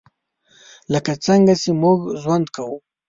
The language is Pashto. لکه څنګه چې موږ ژوند کوو .